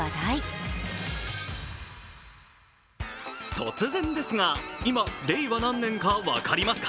突然ですが、今、令和何年か分かりますか？